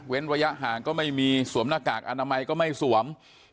ระยะห่างก็ไม่มีสวมหน้ากากอนามัยก็ไม่สวม